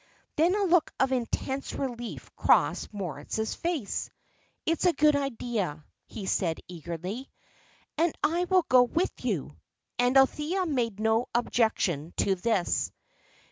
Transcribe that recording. Then a look of intense relief crossed Moritz's face. "It is a good idea," he said, eagerly; "and I will go with you." And Althea made no objection to this.